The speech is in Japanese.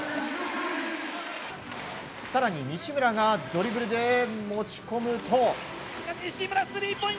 更に西村がドリブルで持ち込むと。